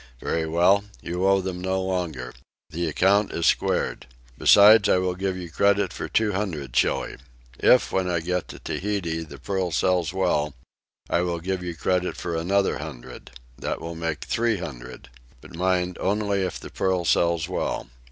Very well; you owe them no longer. The amount is squared. Besides, I will give you credit for two hundred Chili. If, when I get to Tahiti, the pearl sells well, I will give you credit for another hundred that will make three hundred. But mind, only if the pearl sells well.